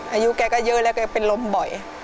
อายุแกก็เยอะแล้วก็เป็นลมบ่อย